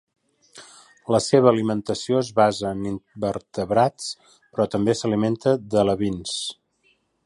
La seva alimentació es basa en invertebrats, però també s'alimenta d'alevins.